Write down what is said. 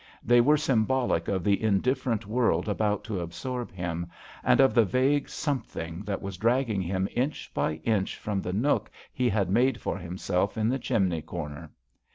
They were symbolic of the indifferent world about to absorb him, and of the vague something that was dragging him inch by inch from the nook he had made for him self in the chimney corner.